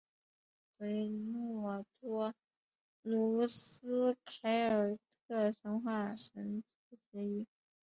维诺托努斯凯尔特神话神只之一。